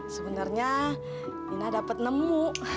sebenarnya ina dapat nemu